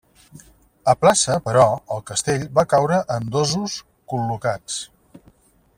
A plaça però, el castell va caure amb dosos col·locats.